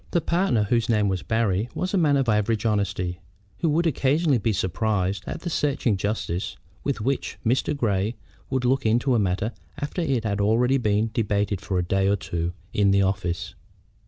The partner, whose name was Barry, was a man of average honesty, who would occasionally be surprised at the searching justness with which Mr. Grey would look into a matter after it had been already debated for a day or two in the office.